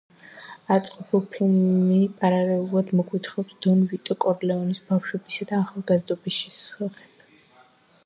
აწყობილ ფილმი პარალელურად მოგვითხრობს დონ ვიტო კორლეონეს ბავშვობისა და ახალგაზრდობის შესახებ.